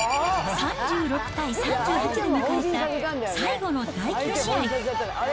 ３６対３８で迎えた最後の第９試合。